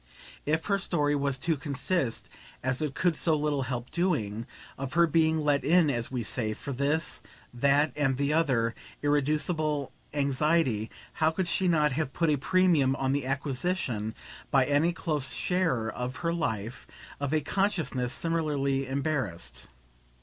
If her story was to consist, as it could so little help doing, of her being let in, as we say, for this, that and the other irreducible anxiety, how could she not have put a premium on the acquisition, by any close sharer of her life, of a consciousness similarly embarrassed?